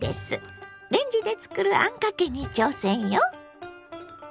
レンジで作るあんかけに挑戦よ！